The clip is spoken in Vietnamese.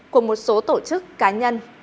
của một số tổ chức cá nhân